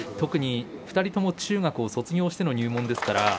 ２人とも中学を卒業しての入門でしたね。